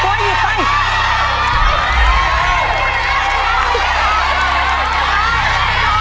มันจะอย่าเงียบยึด๑๙๗๘